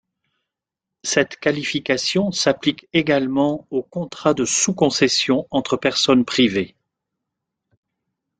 Cette qualification s'applique également aux contrats de sous-concession entre personnes privées.